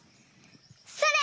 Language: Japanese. それ！